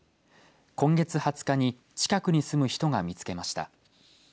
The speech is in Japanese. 今月２０日に近くに住む人が見つけました。